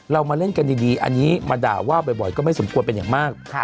เรามาเล่นกันดีอันนี้มาด่าว่าบ่อยก็ไม่สมควรเป็นอย่างมาก